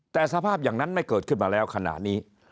แต่สภาพอย่างนั้นไม่เกิดขึ้นมาแล้วขณะนี้